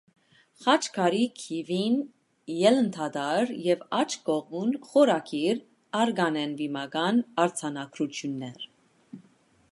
Խաչքարի քիվին՝ ելնդատառ, և աջ կողմում՝ խորագիր, առկան են վիմական արձանագրություններ։